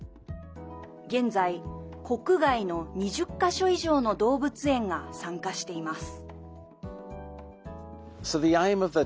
現在、国外の２０か所以上の動物園が参加しています。